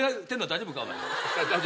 大丈夫か？